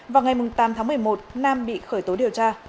vào ngày tám tháng một mươi một nam bị khởi tố điều tra